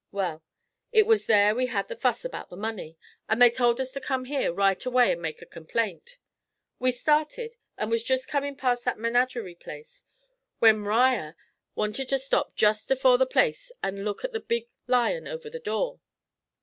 Well, it was there we had the fuss about the money, and they told us to come here right away and make a complaint. We started, and was jest comin' past that menagerie place, when M'riar wanted to stop jest afore the place and look at the big lion over the door.'